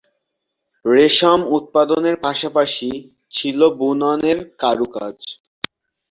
রেশম উৎপাদনের পাশাপাশি ছিল বুননের কারুকাজ।